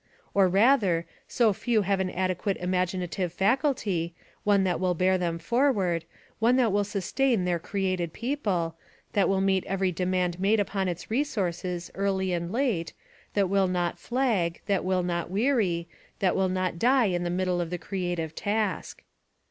Or rather, sd few have an adequate imaginative faculty, one that will bear them forward, one that will sustain their created people, that will meet every demand made upon its resources early and late, that will not flag, that will not weary, that will not die in the middle of the creative task.